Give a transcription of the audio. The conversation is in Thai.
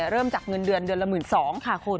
เริ่มจากเงินเดือนเดือนละ๑๒๐๐บาทค่ะคุณ